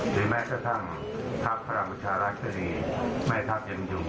หรือแม่ก็ทั้งภักดิ์พระมุชาลักษณีย์แม่ทัพยังอยู่